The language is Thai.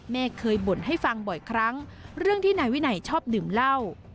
แม่เคยบ่นให้ฟังบ่อยครั้งเรื่องที่นายวินัยชอบดื่มเหล้า